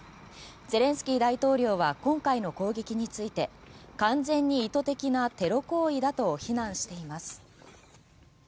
ゼレンスキー大統領は今回の攻撃について完全に意図的なテロ行為だと非難しています。